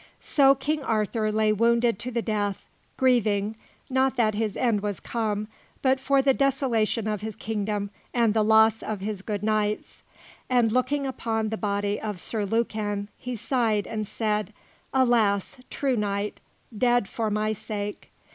So King Arthur lay wounded to the death, grieving, not that his end was come, but for the desolation of his kingdom and the loss of his good knights. And looking upon the body of Sir Lucan, he sighed and said: "Alas! true knight, dead for my sake!